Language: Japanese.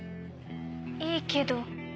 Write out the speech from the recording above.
いいけど。